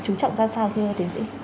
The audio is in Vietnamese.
chú trọng ra sao thưa thế dĩ